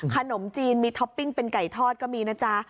ขนมจีนมีท็อปปิ้งเป็นไก่ทอดก็มีนะจ๊ะ